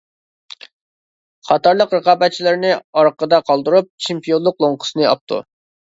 قاتارلىق رىقابەتچىلىرىنى ئارقىدا قالدۇرۇپ، چېمپىيونلۇق لوڭقىسىنى ئاپتۇ.